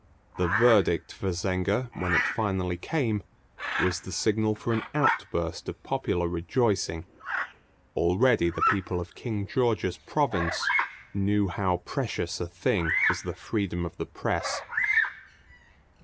The verdict for Zenger, when it finally came, was the signal for an outburst of popular rejoicing. Already the people of King George's province knew how precious a thing is the freedom of the press.